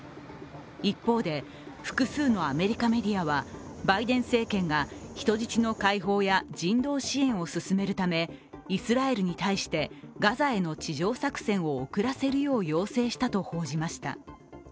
一方で、複数のアメリカメディアはバイデン政権が人質の解放や人道支援を進めるためイスラエルに対してガザへの地上作戦を遅らせるよう要請したと報じました。